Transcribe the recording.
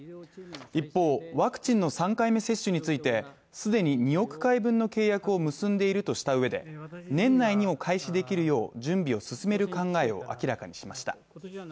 一方、ワクチンの３回目接種について既に２億回分の契約を結んでいるとしたうえで年内にも開始できるよう準備を進める考えを明らかにしました。